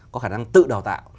có khả năng tự đào tạo